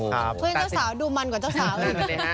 เจ้าสาวดูมันกว่าเจ้าสาวเลย